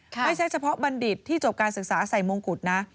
ไม่ใช่เฉพาะบัณฑิตที่จบการศึกษาใส่มงกุฎนะ